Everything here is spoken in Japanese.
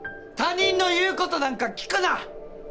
他人の言うことなんか聞くな！